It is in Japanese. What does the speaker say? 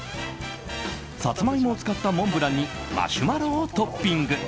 サツマイモを使ったモンブランにマシュマロをトッピング。